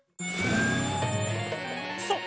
そう。